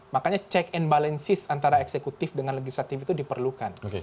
makanya check and balances antara eksekutif dengan legislatif itu diperlukan